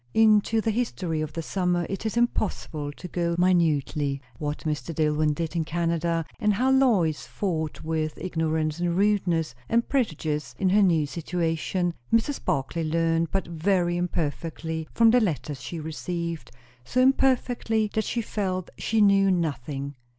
Into the history of the summer it is impossible to go minutely. What Mr. Dillwyn did in Canada, and how Lois fought with ignorance and rudeness and prejudice in her new situation, Mrs. Barclay learned but very imperfectly from the letters she received; so imperfectly, that she felt she knew nothing.